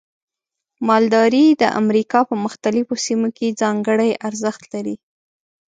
مالداري د امریکا په مختلفو سیمو کې ځانګړي ارزښت لري.